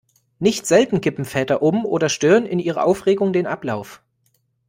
Nicht selten kippen Väter um oder stören in ihrer Aufregung den Ablauf.